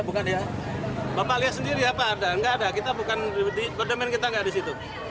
bapak lihat sendiri ya pak ada kita bukan di berdemen kita nggak di situ